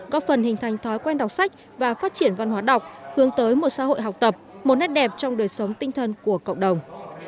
góp phần hình thành thói quen đọc sách và phát triển văn hóa đọc hướng tới một xã hội học tập một nét đẹp trong đời sống tinh thần của cộng đồng